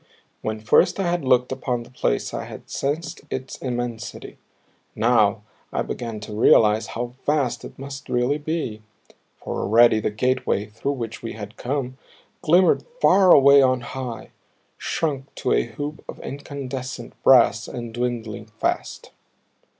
When first I had looked upon the place I had sensed its immensity; now I began to realize how vast it must really be for already the gateway through which we had come glimmered far away on high, shrunk to a hoop of incandescent brass and dwindling fast.